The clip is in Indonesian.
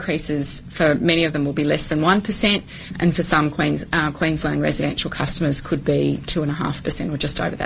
ketua eir claire savage memberikan lebih banyak wawasan tentang makna dibalik tawaran pasar default itu